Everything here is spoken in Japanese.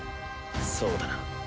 そうだな。